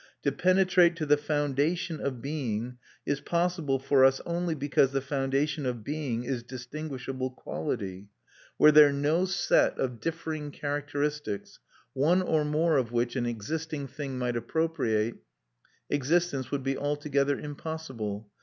To penetrate to the foundation of being is possible for us only because the foundation of being is distinguishable quality; were there no set of differing characteristics, one or more of which an existing thing might appropriate, existence would be altogether impossible.